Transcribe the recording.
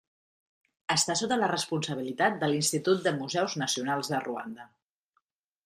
Està sota la responsabilitat de l'Institut de Museus Nacionals de Ruanda.